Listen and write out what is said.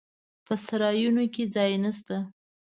په سرایونو کې ځای نسته.